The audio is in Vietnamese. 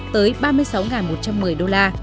tới ba mươi sáu một trăm một mươi đô la